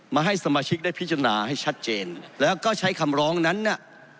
มาให้สมาชิกได้พิจารณาให้ชัดเจนแล้วก็ใช้คำร้องนั้นน่ะ